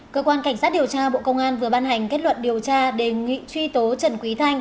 cơ quan cảnh sát điều tra bộ công an vừa ban hành kết luận điều tra đề nghị truy tố trần quý thanh